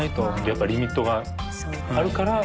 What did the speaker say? やっぱリミットがあるから。